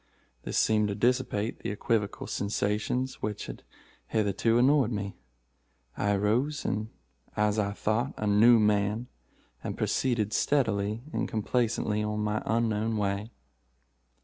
This seemed to dissipate the equivocal sensations which had hitherto annoyed me. I arose, as I thought, a new man, and proceeded steadily and complacently on my unknown way.